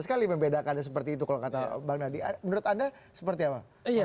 sekali membedakannya seperti itu kalau kata bang nadi menurut anda seperti apa